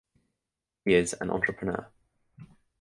He is an entrepreneur.